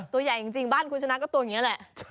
ตัวใหญ่จริงบ้านคุณชนะก็ตัวอย่างนี้แหละ